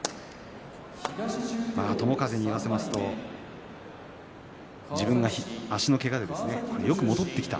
友風に言わせると自分が足のけがでよく戻ってきた。